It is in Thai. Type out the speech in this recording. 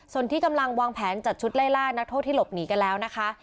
ส่วนที่กำลังวางแผนจัดชุดไล่ล่านักโทษที่หลบหนีกันแล้วนะคะ